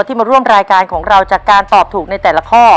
ที่มาร่วมรายการของเราจากการตอบถูกในแต่ละข้อ